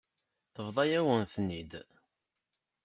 Tebḍa-yawen-ten-id.